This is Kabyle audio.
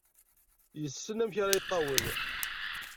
Yessen amek ara iṭawel.